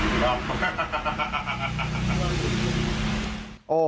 มีจังหวะข้างบนในเห็นป่ะ